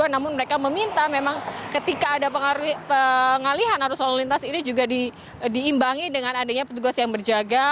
namun mereka meminta memang ketika ada pengalihan arus lalu lintas ini juga diimbangi dengan adanya petugas yang berjaga